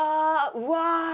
うわ！